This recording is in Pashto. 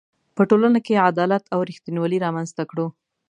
په ټولنه کې عدالت او ریښتینولي رامنځ ته کړو.